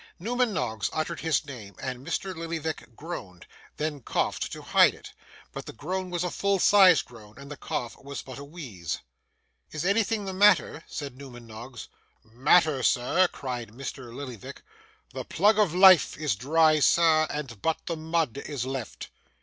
Newman Noggs uttered his name, and Mr. Lillyvick groaned: then coughed to hide it. But the groan was a full sized groan, and the cough was but a wheeze. 'Is anything the matter?' said Newman Noggs. 'Matter, sir!' cried Mr. Lillyvick. 'The plug of life is dry, sir, and but the mud is left.